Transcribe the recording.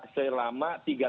selama tiga tahun